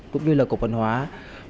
cũng như là các doanh nghiệp đất nước